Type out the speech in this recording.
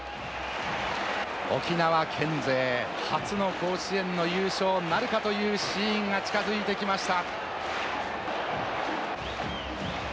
沖縄県勢初の甲子園の優勝なるかというシーンが近づいてきました。